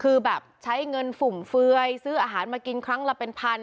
คือแบบใช้เงินฝุ่มเฟือยซื้ออาหารมากินครั้งละเป็นพัน